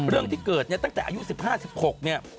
เรื่องที่เกิดเนี่ยตั้งแต่อายุ๑๕๑๖เนี่ย